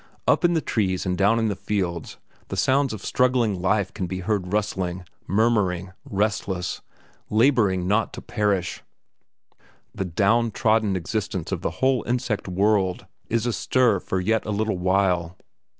Up in the trees and down in the fields the sounds of struggling life can be heard rustling, murmuring, restless; labouring not to perish. The down trodden existence of the whole insect world is astir for yet a little while.